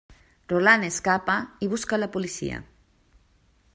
Roland escapa i busca la policia.